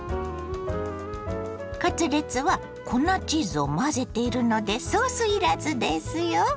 カツレツは粉チーズを混ぜているのでソースいらずですよ。